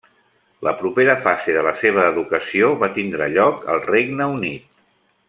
La propera fase de la seva educació va tindre lloc al Regne Unit.